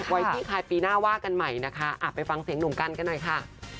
ไว้ที่คลายปีหน้าว่ากันใหม่นะคะไปฟังเสียงหนุ่มกันกันหน่อยค่ะ